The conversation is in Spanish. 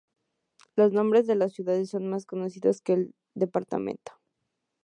Los nombres de las ciudades son más conocidos que el departamento.